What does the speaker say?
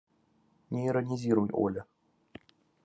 Не иронизируй, Оля.